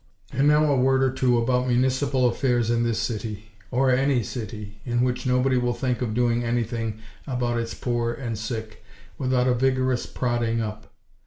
And, now a word or two about municipal affairs in this city; or any city, in which nobody will think of doing anything about its poor and sick, without a vigorous prodding up.